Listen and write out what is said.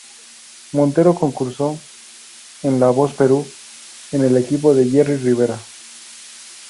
Montero concursó en "La voz Perú" en el equipo de Jerry Rivera.